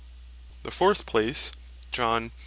The fourth place John 20.